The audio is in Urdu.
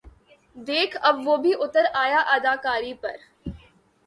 دیکھ اب وہ بھی اُتر آیا اداکاری پر